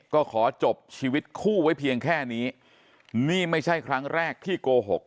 ก็ขอจบชีวิตคู่ไว้เพียงแค่นี้นี่ไม่ใช่ครั้งแรกที่โกหก